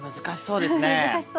難しそうですね。